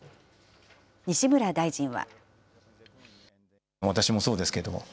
西村大臣は。